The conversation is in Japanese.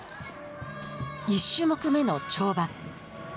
１種目目の跳馬。